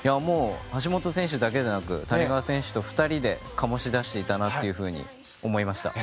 橋本選手だけではなく谷川選手と２人でかもし出していたなと思いました。